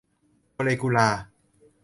โมเลกุลาร์